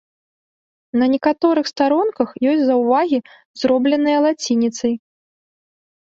На некаторых старонках ёсць заўвагі, зробленыя лацініцай.